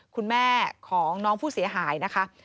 คุณแม่ของน้องผู้เสียหายนะคะ